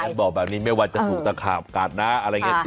บอกแบบนี้ไม่ว่าจะถูกตะขาบกัดนะอะไรอย่างนี้